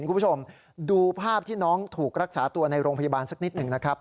คุณผู้ชมดูภาพที่น้องถูกรักษาตัวในโรงพยาบาลสักนิดหนึ่งนะครับ